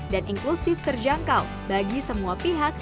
inklusif terjangkau bagi semua pihak